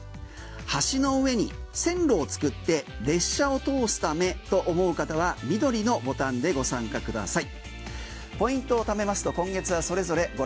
橋の上に線路を作って列車を通すためと思う方は緑のボタンでご参加ください。